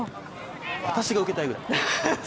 私が受けたいぐらい。